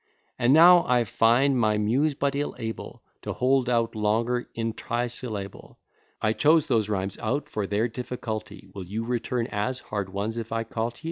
And now I find my Muse but ill able, To hold out longer in trissyllable. I chose those rhymes out for their difficulty; Will you return as hard ones if I call t'ye?